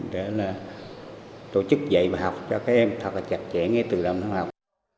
để tổ chức dạy và học cho các em thật là chặt chẽ nghe từ lòng học